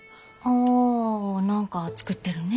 あ何か造ってるね。